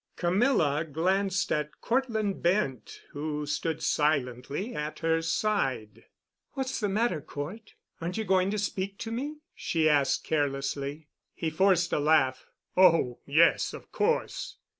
Camilla glanced at Cortland Bent, who stood silently at her side. "What's the matter, Cort? Aren't you going to speak to me?" she asked carelessly. He forced a laugh. "Oh, yes, of course."